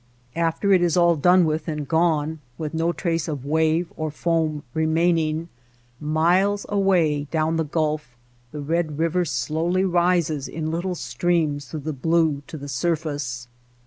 After it is all done with and gone, with no trace of wave or foam remaining, miles away down the Gulf the red river slowly rises in little streams through the blue to the surface.